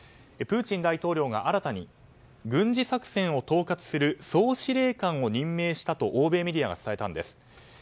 プーチン大統領が新たに軍事作戦を統括する総司令官を任命したと欧米メディアが伝えたんです。